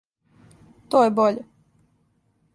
То је боље?